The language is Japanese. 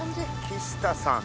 木下さん